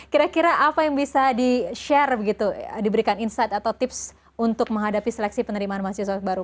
kira kira apa yang bisa di share begitu diberikan insight atau tips untuk menghadapi seleksi penerimaan mahasiswa baru